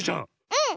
うん！